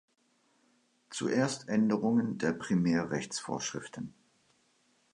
Zuerst Änderungen der Primärrechtsvorschriften.